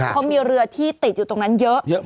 เพราะมีเรือที่ติดอยู่ตรงนั้นเยอะ